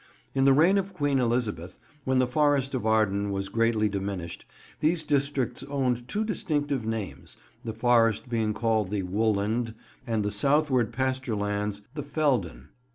In the reign of Queen Elizabeth, when the Forest of Arden was greatly diminished, these districts owned two distinctive names: the forest being called "the Wooland," and the southward pasture lands "the Feldon."